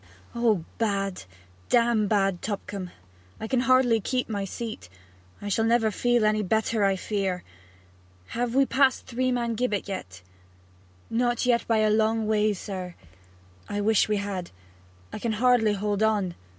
'Oh, bad; damn bad, Tupcombe! I can hardly keep my seat. I shall never be any better, I fear! Have we passed Three Man Gibbet yet?' 'Not yet by a long ways, sir.' 'I wish we had. I can hardly hold on.'